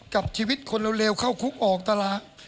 กับชีวิตคนเร็วเข้าคุกออกตลาด